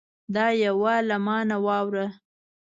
دا یوه له ما نه واوره